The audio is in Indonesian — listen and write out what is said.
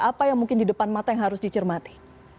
apa yang mungkin di depan mata yang harus dicermati